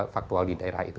faktual di daerah itu